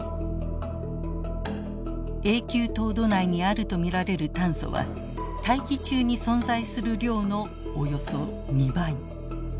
永久凍土内にあると見られる炭素は大気中に存在する量のおよそ２倍。